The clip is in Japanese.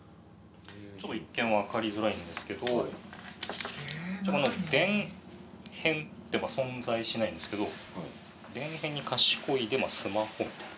ちょっと一見分かりづらいんですけど電偏って存在しないんですけど電偏に「賢」でスマホみたいな。